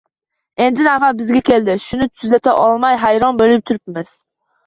Endi navbat bizga keldi, shuni tuzata olmay, hayron bo‘lib turibmiz